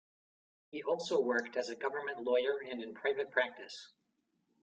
He also worked as a government lawyer and in private practice.